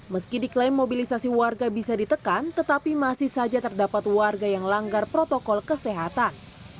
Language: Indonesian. meski diklaim mobilisasi warga bisa ditekan tetapi masih saja terdapat warga yang langgar protokol kesehatan